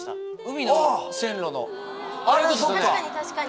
確かに確かに。